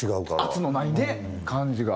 圧のないね感じが。